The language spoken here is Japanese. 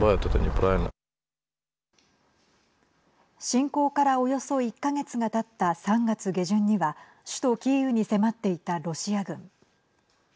侵攻から、およそ１か月がたった３月下旬には首都キーウに迫っていたロシア軍。